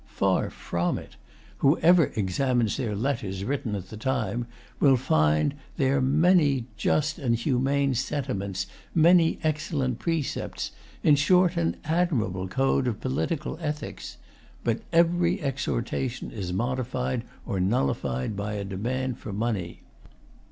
Far from it. Whoever examines their letters written at that time will find there many just and humane sentiments, many excellent precepts, in short, an admirable code of political ethics. But every exhortation is modified or nullified by a demand for money.